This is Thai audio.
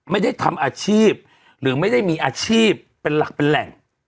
ไม่ได้ทำอาชีพหรือไม่ได้มีอาชีพเป็นหลักเป็นแหล่ง